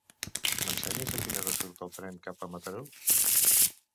M'ensenyes a quina hora surt el tren cap a Mataró?